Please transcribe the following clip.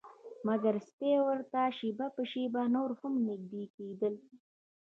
مګر سپي ورته شیبه په شیبه نور هم نږدې کیدل